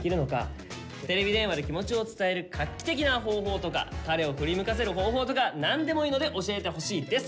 テレビ電話で気持ちを伝える画期的な方法とか彼を振り向かせる方法とかなんでもいいので教えて欲しいです」と。